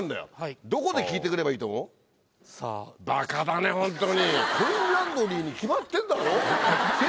バカだねホントに。